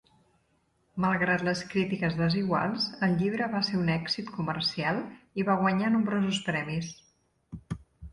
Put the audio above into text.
Malgrat les crítiques desiguals, el llibre va ser un èxit comercial i va guanyar nombrosos premis.